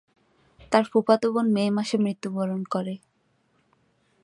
তার ফুফাতো বোন মে মাসে মৃত্যুবরণ করে।